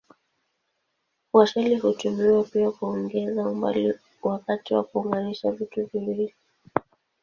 Washeli hutumiwa pia kuongeza umbali wakati wa kuunganisha vitu viwili.